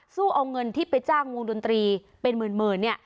สู้เอาเงินที่ไปจ้างวงดนตรีเป็นหมื่นเนี่ย